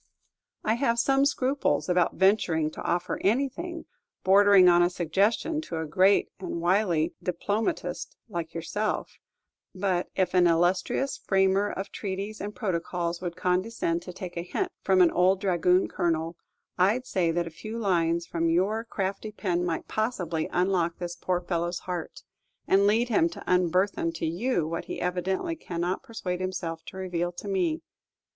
I have some scruples about venturing to offer anything bordering on a suggestion to a great and wily diplomatist like yourself; but if an illustrious framer of treaties and protocols would condescend to take a hint from an old dragoon colonel, I 'd say that a few lines from your crafty pen might possibly unlock this poor fellow's heart, and lead him to unburthen to you what he evidently cannot persuade himself to reveal to me.